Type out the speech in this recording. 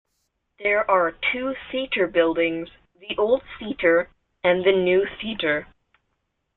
There are two theatre buildings, the Old Theatre and the New Theatre.